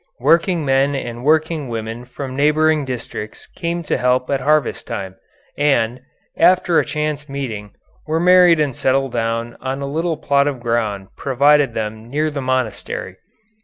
Workingmen and workingwomen from neighboring districts came to help at harvest time, and, after a chance meeting, were married and settled down on a little plot of ground provided for them near the monastery.